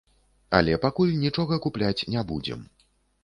Але пакуль нічога купляць не будзем.